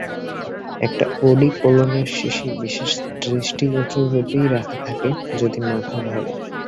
একটা ওডিকোলনের শিশি বিশেষ দৃষ্টগোচররূপেই রাখা থাকে, যদি মাথা ধরে।